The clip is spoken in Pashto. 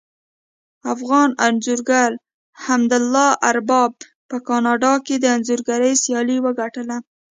افغان انځورګر حمدالله ارباب په کاناډا کې د انځورګرۍ سیالي وګټله